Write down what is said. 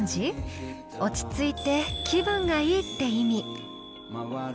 「落ち着いて気分がいい」って意味。